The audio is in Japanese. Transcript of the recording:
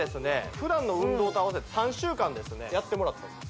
普段の運動と合わせて３週間ですねやってもらったんです